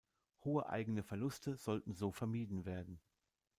Hohe eigene Verluste sollten so vermieden werden.